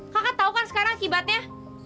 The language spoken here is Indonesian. kakak tahu kan sekarang akibatnya